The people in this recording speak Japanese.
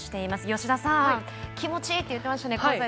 吉田さん、気持ちいいと言っていましたね。